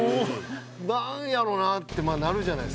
なんやろな？ってまあなるじゃないですか。